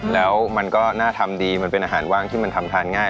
แล้วมันก็น่าทำดีมันเป็นอาหารว่างที่มันทำทานง่าย